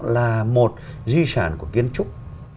là một di sản của kiến trúc